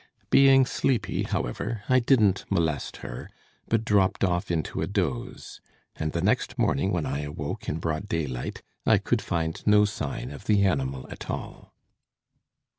Being sleepy, however, I didn't molest her, but dropped off into a doze, and the next morning when I awoke in broad daylight I could find no sign of the animal at all.